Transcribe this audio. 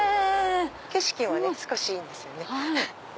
景色も少しいいんですよね。